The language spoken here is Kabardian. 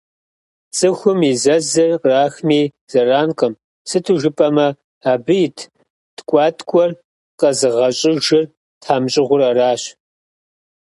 Цӏыхум и зэзыр кърахми зэранкъым, сыту жыпӏэмэ, абы ит ткӏуаткӏуэр къэзыгъэщӏыжыр тхьэмщӏыгъур аращ.